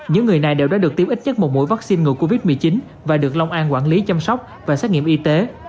những người này đều đã được tiêm ít nhất một mũi vaccine ngừa covid một mươi chín và được long an quản lý chăm sóc và xét nghiệm y tế